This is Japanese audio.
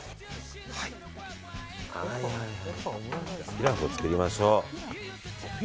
ピラフを作りましょう。